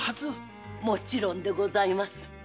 もちろんでございます。